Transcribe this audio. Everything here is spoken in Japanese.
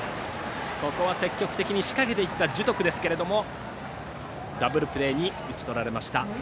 ここは積極的に仕掛けていった樹徳ですがダブルプレーに打ち取られました。